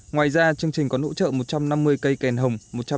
ngoài ra chương trình có nỗ trợ một trăm năm mươi cây kèn hồng